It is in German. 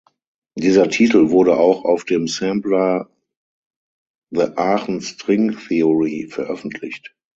Dieser Titel wurde auch auf dem Sampler „The Aachen String Theory“ veröffentlicht.